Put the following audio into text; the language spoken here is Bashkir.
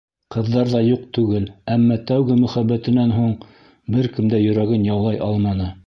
Ҡыҙҙар ҙа юҡ түгел, әммә тәүге мөхәббәтенән һуң бер кем дә йөрәген яулай алманы.